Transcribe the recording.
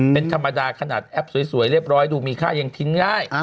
เป็นธรรมดาขนาดแอปสวยเรียบร้อยดูมีค่ายังทิ้งง่าย